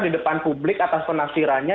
di depan publik atas penafsirannya